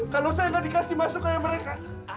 kalau saya nggak dikasih masuk kayak mereka